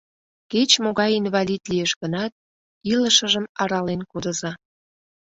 — Кеч-могай инвалид лиеш гынат, илышыжым арален кодыза.